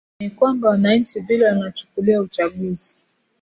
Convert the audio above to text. ni kwamba wananchi vile wanachukulia uchaguzi